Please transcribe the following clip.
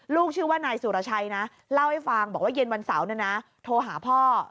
ชื่อว่านายสุรชัยนะเล่าให้ฟังบอกว่าเย็นวันเสาร์โทรหาพ่อ